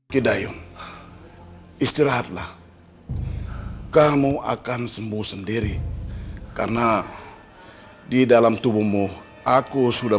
kidayong istirahatlah kamu akan sembuh sendiri karena di dalam tubuhmu aku sudah